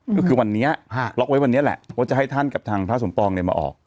ก็คือวันนี้ล็อกไว้วันนี้แหละว่าจะให้ท่านกับทางพระสมปองมาออก